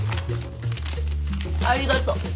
ありがとう。